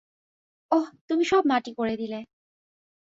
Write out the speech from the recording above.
অহ, তুমি সব মাটি করে দিলে।